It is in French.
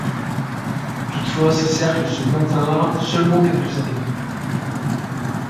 Toutefois, ces cercles se maintinrent seulement quelques années.